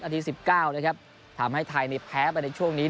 นาทีสิบเก้านะครับทำให้ไทยนี่แพ้ไปในช่วงนี้